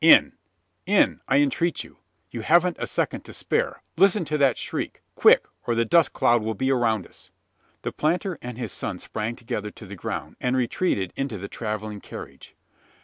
In in, I entreat you! You haven't a second to spare. Listen to that shriek! Quick, or the dust cloud will be around us!" The planter and his son sprang together to the ground; and retreated into the travelling carriage.